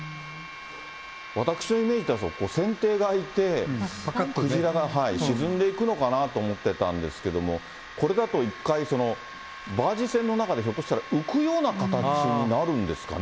私のイメージだと、船底が開いて、クジラが沈んでいくのかなと思ってたんですけれども、これだと一回、バージ船の中で、ひょっとしたら浮くような形になるんですかね。